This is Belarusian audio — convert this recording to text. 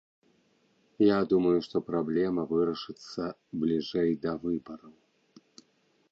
Я думаю, што праблема вырашыцца бліжэй да выбараў.